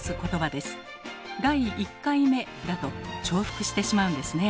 「第一回目」だと重複してしまうんですね。